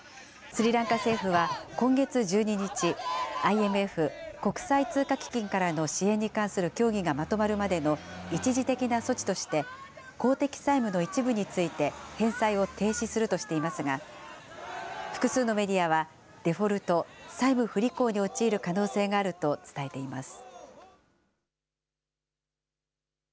スリランカ政府は今月１２日、ＩＭＦ・国際通貨基金からの支援に関する協議がまとまるまでの一時的な措置として公的債務の一部について返済を停止するとしていますが複数のメディアはデフォルト・債務不履行に陥る可能性があると伝えています。